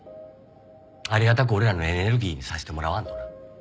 ありがたく俺らのエネルギーにさせてもらわんとな。